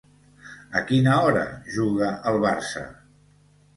A quina hora juga el Barça?